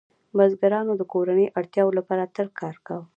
بزګرانو د کورنیو اړتیاوو لپاره تل کار کاوه.